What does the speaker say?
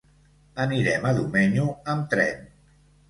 Anirem a Domenyo amb tren.